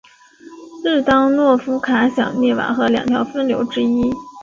日当诺夫卡小涅瓦河两条分流之一。